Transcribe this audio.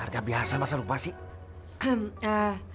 harga biasa masa lupa sih